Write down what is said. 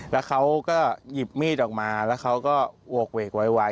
แล้วเขาก็หยิบมีดออกมาแล้วเขาก็โหกเวกโวยวาย